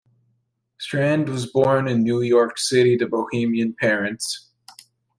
Strand was born in New York City to Bohemian parents.